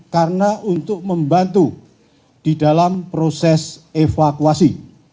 karena untuk membantu di dalam proses evakuasi